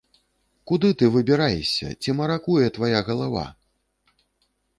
Куды ты выбіраешся, ці маракуе твая галава?